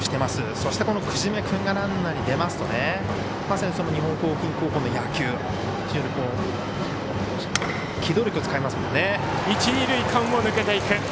そして久次米君がランナーに出ますとまさに日本航空高校の野球非常に機動力を使いますのでね。